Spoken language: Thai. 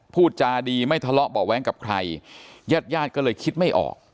พูดจาดีไม่ทะเลาะเบาะแว้งกับใครญาติญาติก็เลยคิดไม่ออก